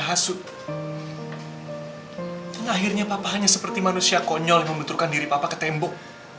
hasut dan akhirnya papa hanya seperti manusia konyol yang membenturkan diri papa ke tembok